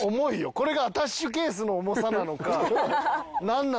これがアタッシュケースの重さなのかな